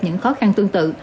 những khó khăn tương tự